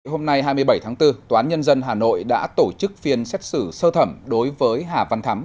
hôm nay hai mươi bảy tháng bốn tòa án nhân dân hà nội đã tổ chức phiên xét xử sơ thẩm đối với hà văn thắm